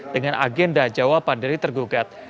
dengan agenda jawaban dari tergugat